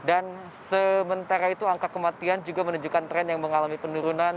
dan sementara itu angka kematian juga menunjukkan tren yang mengalami penurunan